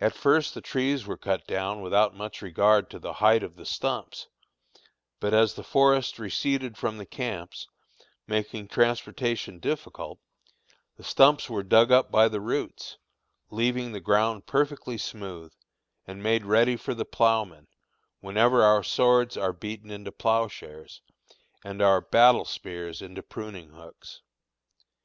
At first the trees were cut down without much regard to the height of the stumps, but as the forest receded from the camps, making transportation difficult, the stumps were dug up by the roots, leaving the ground perfectly smooth, and made ready for the ploughman, whenever our swords are beaten into ploughshares and our battle spears into pruning hooks.